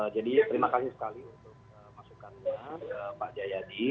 jadi terima kasih sekali untuk masukan pak jayadi